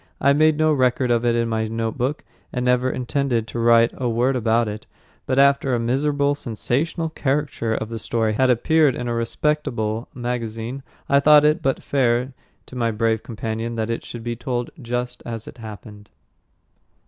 I made no record of it in my notebook and never intended to write a word about it; but after a miserable, sensational caricature of the story had appeared in a respectable magazine, I thought it but fair to my brave companion that it should be told just as it happened.